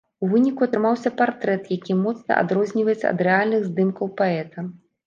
У выніку атрымаўся партрэт, які моцна адрозніваецца ад рэальных здымкаў паэта.